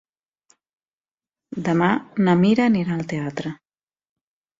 Demà na Mira anirà al teatre.